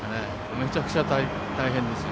めちゃくちゃ大変ですよ。